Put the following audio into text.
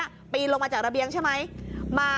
เมื่อกี้ปีนลงมาจากระเบียงใช่ไหม